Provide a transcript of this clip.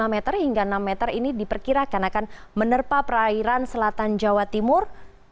dua lima m hingga enam m ini diperkirakan akan menerpa perairan selatan jawa timur